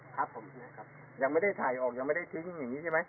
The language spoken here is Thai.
ครับผมยังไม่ได้ถ่ายออกยังไม่ได้ทิ้งอย่างนี้ใช่ไหม